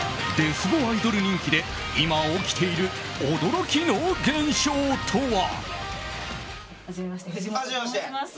デスボアイドル人気で今、起きている驚きの現象とは。